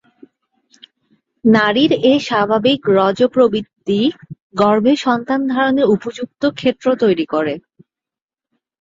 নারীর এ স্বাভাবিক রজঃপ্রবৃত্তিই গর্ভে সন্তান ধারণের উপযুক্ত ক্ষেত্র তৈরি করে।